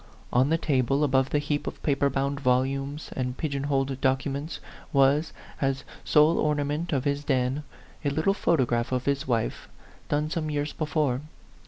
On the table, above the heap of paper bound volumes and pigeon holed documents, was, as sole orna ment of his den, a little photograph of his A PHANTOM LOVER. 65 wife, done some years before.